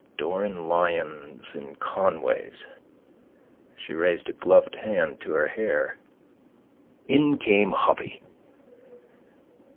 Doran Lyons in Conway's. She raised a gloved hand to her hair. In came Hoppy.